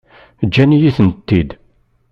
Ǧǧant-iyi-tent-id?